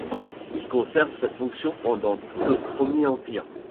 Il conserve cette fonction pendant tout le Premier Empire.